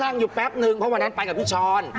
อยู่แป๊บนึงเพราะวันนั้นไปกับพี่ช้อน